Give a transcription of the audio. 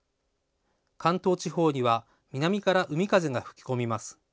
関東地方には南から海風が吹き込みます。